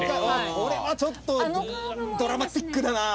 これはちょっとドラマチックだな！